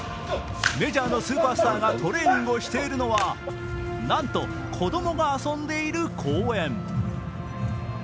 メジャーのスーパースターがトレーニングをしているのはなんと子供が遊んでいる公園。